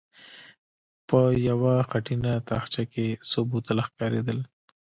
په يوه خټينه تاخچه کې څو بوتله ښکارېدل.